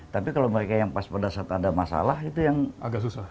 tapi kalau mereka yang pas pada saat ada masalah itu yang agak susah